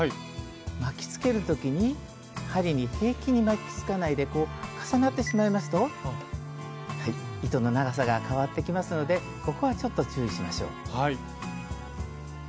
巻きつける時に針に平均に巻きつかないでこう重なってしまいますと糸の長さが変わってきますのでここはちょっと注意しましょう。